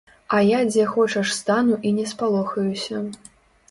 А я дзе хочаш стану і не спалохаюся.